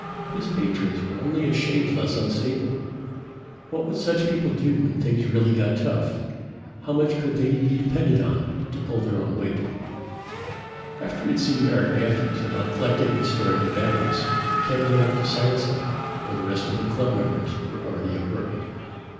His patrons were only a shade less unstable. What would such people do when things really got tough? How much could they be depended on to pull their own weight? After he had seen Art Matthews about collecting and storing the batteries, Ken went up to Science Hall where the rest of the club members were already at work.